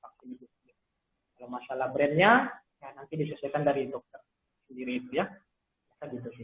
kalau masalah brandnya ya nanti diselesaikan dari dokter sendiri itu ya